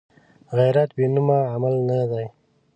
غیرت بېنومه عمل نه دی